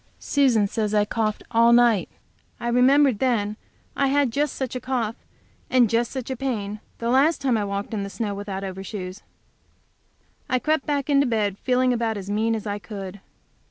Susan says I coughed all night. I remembered then that I had just such a cough and just such a pain the last time I walked in the snow without overshoes. I crept back to bed feeling about as mean as I could.